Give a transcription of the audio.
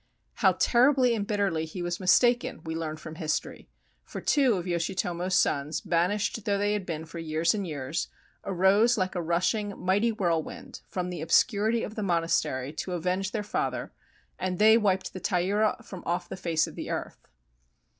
How ter ribly and bitterly he was mistaken we learn from history, for two of Yoshitomo's sons, banished though they had been for years and years, arose like a rushing, mighty whirlwind from the obscurity of the monastery to avenge their father, and they wiped the Taira from ofif the face of the earth.